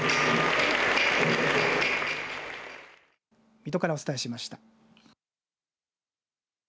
水戸からお伝えしました。